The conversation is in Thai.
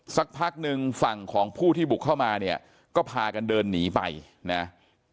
สักพักหนึ่งฝั่งของผู้ที่บุกเข้ามาเนี่ยก็พากันเดินหนีไปนะ